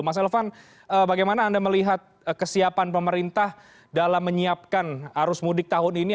mas elvan bagaimana anda melihat kesiapan pemerintah dalam menyiapkan arus mudik tahun ini